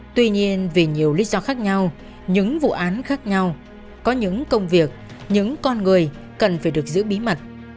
tuy nhiên vì nhiều lý do khác nhau những vụ án khác nhau có những công việc những con người cần phải được giữ bí mật